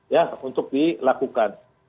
ya untuk dilakukan